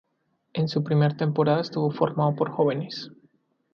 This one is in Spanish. En su primer temporada, estuvo formado por jóvenes.